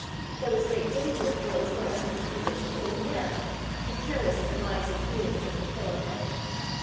There was great danger of boys brought up in his position getting narrow, and careless of the lives and feelings of their fellowmen!